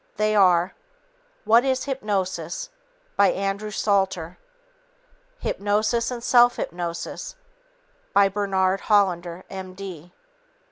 They are: What is Hypnosis by Andrew Salter, Hypnosis and Self Hypnosis by Bernard Hollander, M.D.